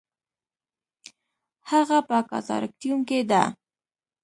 هغه په کاتاراکتیوم کې ده